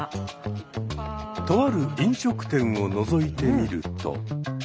とある飲食店をのぞいてみると。